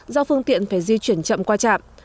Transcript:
do phương tiện phải di chuyển chậm qua trạm